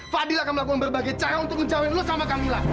fadil akan melakukan berbagai cara untuk menjauhin lo sama camilla